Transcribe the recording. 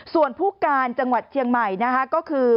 ส่วนผู้การจังหวัดเชียงใหม่นะคะก็คือ